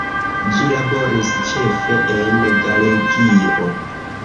Ĝi laboris ĉefe en Galegio.